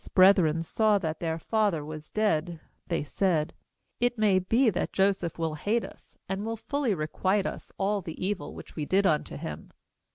15 GENESIS Joseph's brethren saw that their father was dead, they said: 'It may be that Joseph will hate us, and will fully requite us all the evil which we did unto him.'